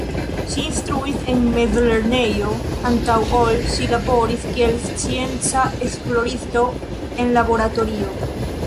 Ŝi instruis en mezlernejo antaŭ ol ŝi laboris kiel scienca esploristo en laboratorio.